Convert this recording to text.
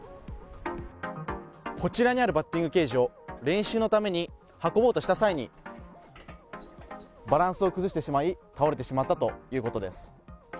こちらにあるバッティングケージを練習のために運ぼうとした際に、バランスを崩してしまい倒れてしまったということです。